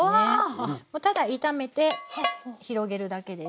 ただ炒めて広げるだけです。